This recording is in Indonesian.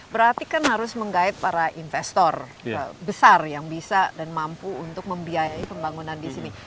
berarti kan harus menggait para investor besar yang bisa dan mampu untuk membiayai pembangunan di sini